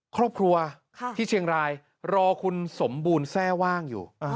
ครอบครัวที่เชียงรายรอคุณสมบูรณ์แทร่ว่างอยู่